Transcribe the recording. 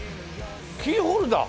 キーホルダー！？